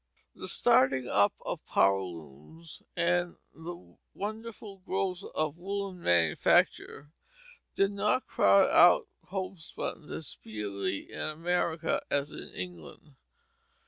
The starting up of power looms and the wonderful growth of woollen manufacture did not crowd out homespun as speedily in America as in England.